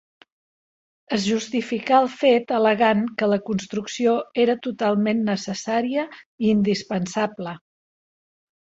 Es justificà el fet al·legant que la construcció era totalment necessària i indispensable.